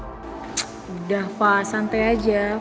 udah pak santai aja